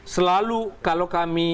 selalu kalau kami